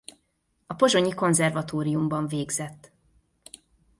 A pozsonyi Konzervatóriumban végzett.